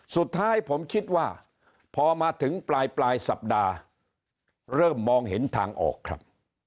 สุดท้ายผมคิดว่าพอมาถึงปลายสัปดาห์เริ่มมองเห็นทางออกครับ